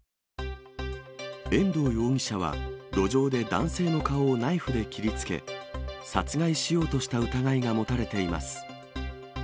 遠藤容疑者は路上で男性の顔をナイフで切りつけ、殺害しようとした疑いが持たれています。